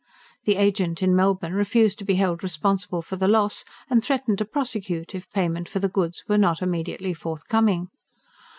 The agent in Melbourne refused to be held responsible for the loss, and threatened to prosecute, if payment for the goods were not immediately forthcoming.